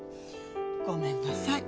ごめんなさい。